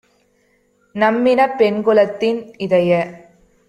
நம்மினப் பெண்குலத்தின் - இதய